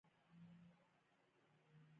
له دې څخه وروسته غوریان تر غزنویانو لاندې راغلل.